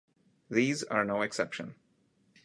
These are no exception.